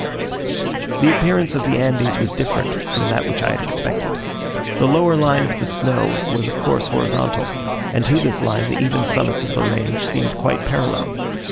The appearance of the Andes was different from that which I had expected. The lower line of the snow was of course horizontal, and to this line the even summits of the range seemed quite parallel.